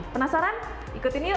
penasaran ikutin yuk